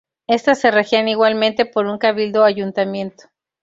Éstas se regían igualmente por un cabildo o ayuntamiento.